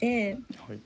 はい。